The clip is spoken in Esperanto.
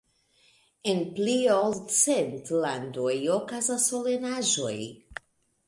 En pli ol cent landoj okazas solenaĵoj.